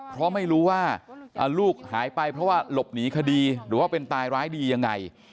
เพราะไม่รู้ว่าลูกหายไปเพราะว่าหลบหนีคดีหรือว่าเป็นตายร้ายดียังไง